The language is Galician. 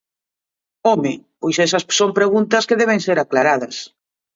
¡Home!, pois esas son preguntas que deben ser aclaradas.